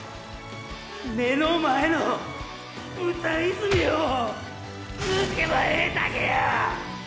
目の前のブタ泉を抜けばええだけや！